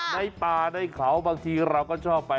ในป่าในเขาบางทีเราก็ชอบไป